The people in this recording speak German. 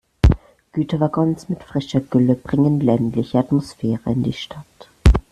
Güterwaggons mit frischer Gülle bringen ländliche Atmosphäre in die Stadt.